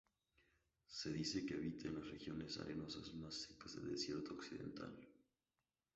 Se dice que habita en las regiones arenosas más secas del desierto occidental.